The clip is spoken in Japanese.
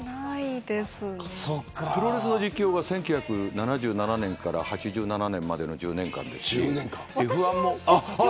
プロレスの実況が１９７７年から８７年までの１０年間です。